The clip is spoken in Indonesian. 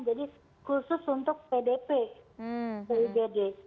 jadi khusus untuk pdp di igd